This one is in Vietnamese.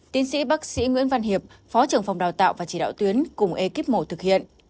tiến sĩ bác sĩ nguyễn văn hiệp phó trưởng phòng đào tạo và chỉ đạo tuyến cùng ekip mổ thực hiện